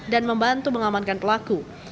dan membantu mengamankan pelaku